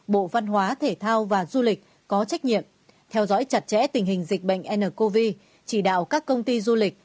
bộ văn hóa thể thao và du lịch có trách nhiệm theo dõi chặt chẽ tình hình dịch bệnh ncov chỉ đạo các công ty du lịch